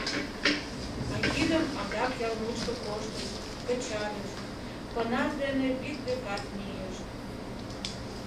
А йӱдым адак ял мучко коштыч, кычальыч, понар дене вӱд декат мийышт.